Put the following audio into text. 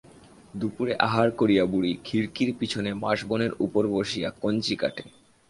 দুপুরে আহার করিয়া বুড়ি খিড়কির পিছনে বাঁশবনের উপর বসিয়া কঞ্চি কাটে।